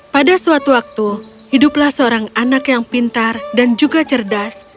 pada suatu waktu hiduplah seorang anak yang pintar dan juga cerdas